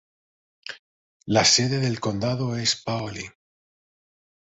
La sede del condado es Paoli.